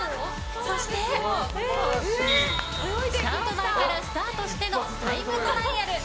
そして、スタート台からスタートしてのタイムトライアル。